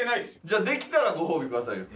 じゃあできたらご褒美くださいよ。